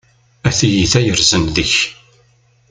A tiyita yersen deg-k!